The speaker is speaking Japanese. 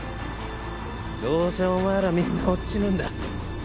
どうせお前らみんなおっ死ぬんだ